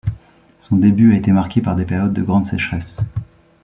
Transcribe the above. Son début a été marqué par des périodes de grandes sécheresses.